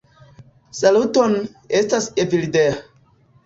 "Saluton, estas Evildea.